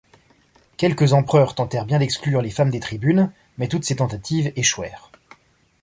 Quelques empereurs tentèrent bien d'exclure les femmes des tribunes, mais toutes ces tentatives échouèrent.